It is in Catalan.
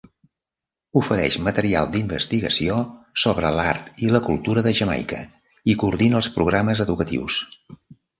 Ofereix material d'investigació sobre l'art i la cultura de Jamaica, i coordina els programes educatius.